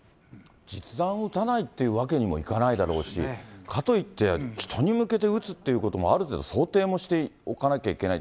実弾を撃たないって訳にもいかないだろうし、かといって、人に向けて撃つっていうことも、ある程度想定もしておかなきゃいけない。